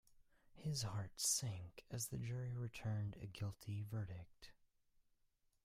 His heart sank as the jury returned a guilty verdict.